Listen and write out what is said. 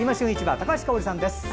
高橋香央里さんです。